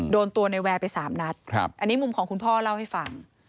โดนตัวในแวร์ไปสามนัดอันนี้มุมของคุณพ่อเล่าให้ฟัง